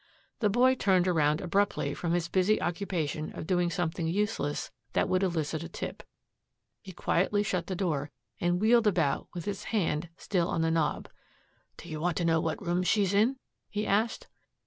The boy turned around abruptly from his busy occupation of doing something useless that would elicit a tip. He quietly shut the door, and wheeled about with his hand still on the knob. "Do you want to know what room she's in?" he asked.